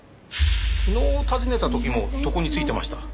昨日訪ねた時も床に就いていました。